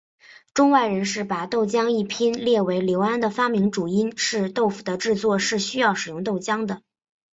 中外人士把豆浆一拼列为刘安的发明主因是豆腐的制作是需要使用豆浆的。